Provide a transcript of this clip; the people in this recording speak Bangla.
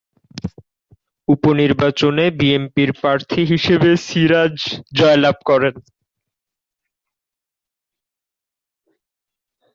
উপনির্বাচনে বিএনপির প্রার্থী হিসেবে সিরাজ জয়লাভ করেন।